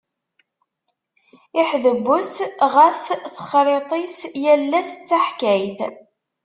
Iḥdewwes ɣef texṛiṭ-is, yal ass d taḥkayt.